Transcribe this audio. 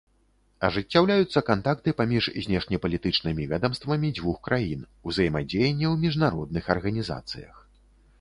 Ажыццяўляюцца кантакты паміж знешнепалітычнымі ведамствамі дзвюх краін, узаемадзеянне ў міжнародных арганізацыях.